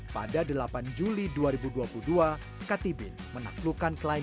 pada delapan juli dua ribu dua puluh dua katibin menaklukkan kelaikan